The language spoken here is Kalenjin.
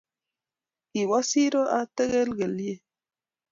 Kiwo siro ak tekelkelye.